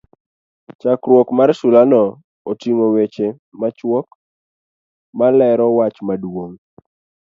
chakruok mar sulano otingo weche machuok ma lero wach maduong'